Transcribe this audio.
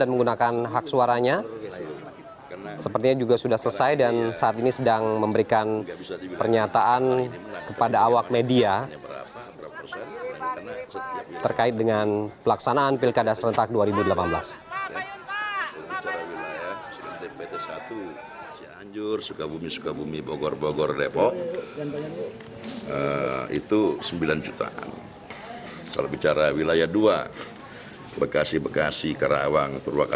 pembelajaran ini juga sudah selesai dan saat ini sedang memberikan pernyataan kepada awak media terkait dengan pelaksanaan pilkada serentak dua ribu delapan belas